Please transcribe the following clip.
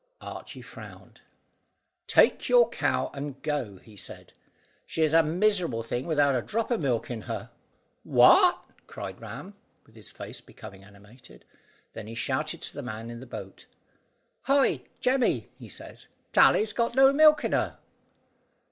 Archy frowned. "Take your cow and go," he said. "She is a miserable thing without a drop of milk in her." "What?" cried Ram, with his face becoming animated. Then he shouted to the man in the boat, "Hi! Jemmy, he says Tally's got no milk in her."